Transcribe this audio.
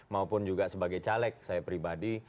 maupun juga sebagai caleg saya pribadi